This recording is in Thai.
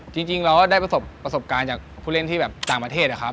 จริงเราก็ได้ประสบการณ์จากผู้เล่นที่แบบต่างประเทศนะครับ